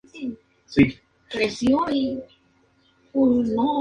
Es insectívora e incluye en su dieta caracoles de agua.